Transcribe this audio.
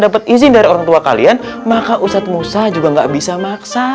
dapat izin dari orang tua kalian maka ustadz musa juga gak bisa maksa